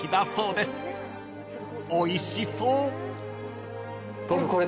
［おいしそう］